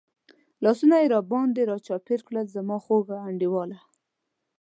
لاسونه یې را باندې را چاپېر کړل، زما خوږ انډیواله.